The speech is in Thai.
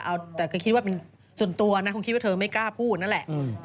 เอาแต่ก็คิดว่าเป็นส่วนตัวนะคงคิดว่าเธอไม่กล้าพูดนั่นแหละ